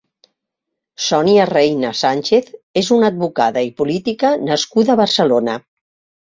Sonia Reina Sánchez és una advocada i política nascuda a Barcelona.